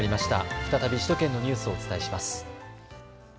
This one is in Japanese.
再び首都圏のニュースをお伝えします。